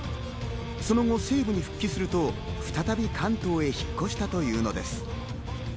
その後、西武に復帰すると再び関東に引っ越したというのです。